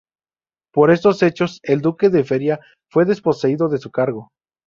Por estos hechos el duque de Feria fue desposeído de su cargo.